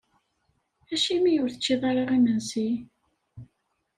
Acimi ur teččiḍ ara imensi?